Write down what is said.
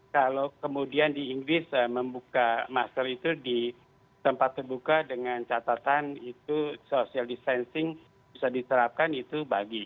kalau kemudian di inggris membuka masker itu di tempat terbuka dengan catatan itu social distancing bisa diterapkan itu bagi